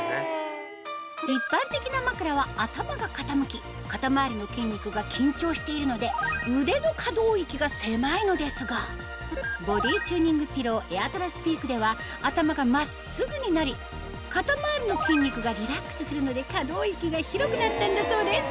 一般的な枕は頭が傾き肩周りの筋肉が緊張しているので腕の可動域が狭いのですがボディチューニングピローエアトラスピークでは頭が真っすぐになり肩周りの筋肉がリラックスするので可動域が広くなったんだそうです